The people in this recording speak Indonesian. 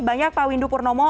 banyak pak windu purnomo